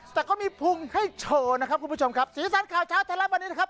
แต่ก็มีพุงให้โชว์นะครับคุณผู้ชมครับสีสันข่าวเช้าไทยรัฐวันนี้นะครับ